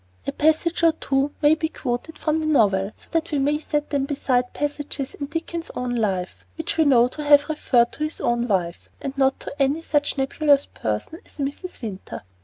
A passage or two may be quoted from the novel, so that we may set them beside passages in Dickens's own life, which we know to have referred to his own wife, and not to any such nebulous person as Mrs. Winter.